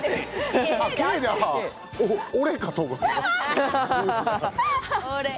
俺かと思った。